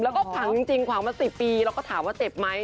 แล้วก็ฝังจริงฝังมา๑๐ปีแล้วก็ถามว่าเจ็บไหม